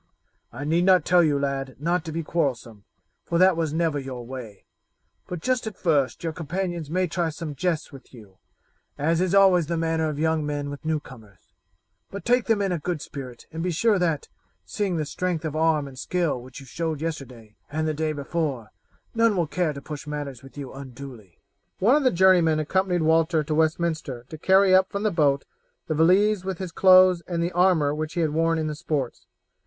I need not tell you, lad, not to be quarrelsome, for that was never your way; but just at first your companions may try some jests with you, as is always the manner of young men with newcomers, but take them in a good spirit and be sure that, seeing the strength of arm and skill which you showed yesterday and the day before, none will care to push matters with you unduly." One of the journeymen accompanied Walter to Westminster to carry up from the boat the valise with his clothes and the armour which he had worn in the sports.